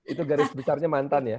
itu garis besarnya mantan ya